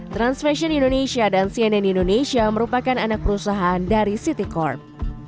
trans fashion indonesia dan cnn indonesia merupakan anak perusahaan dari city corp